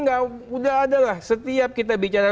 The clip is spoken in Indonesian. sudah ada lah setiap kita bicara